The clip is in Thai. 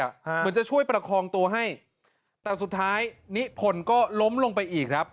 เหมือนจะช่วยประคองตัวให้แต่สุดท้ายนิพนธ์ก็ล้มลงไปอีกครับ